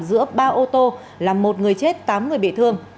giữa ba ô tô làm một người chết tám người bị thương